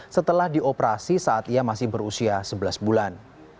setelah dioperasi saat ia masih berusia sebelas bulan